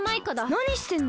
なにしてんの？